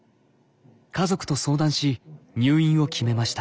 家族と相談し入院を決めました。